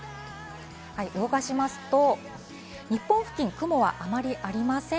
動かしますと、日本付近、雲はあまりありません。